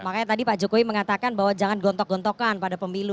makanya tadi pak jokowi mengatakan bahwa jangan gontok gontokan pada pemilu